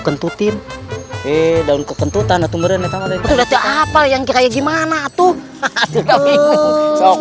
kentutin eh daun kekentutan atau merenet apa yang kayak gimana tuh